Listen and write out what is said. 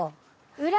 裏？